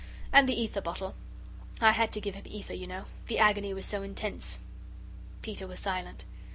And the ether bottle. I had to give him ether, you know the agony was so intense." Peter was silent.